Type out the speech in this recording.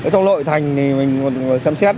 trong lội thành thì mình xem xét